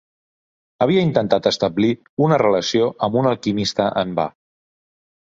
Havia intentat establir una relació amb un alquimista en va.